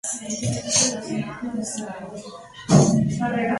Actualmente estas dos balanzas casi no se utilizan en laboratorios.